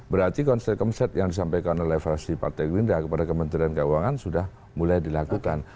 berarti konsek konsek yang disampaikan oleh fasih gelindra kepada kementerian keuangan sudah mulai dilakukan